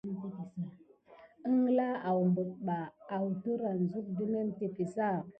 Əŋgla awɓəɗ ɓa awdəran zuk də memteke sa?